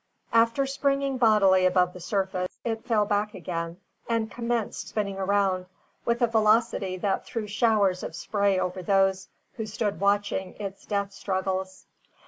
After springing bodily above the surface, it fell back again, and commenced spinning around, with a velocity that threw showers of spray over those, who stood watching its death struggles.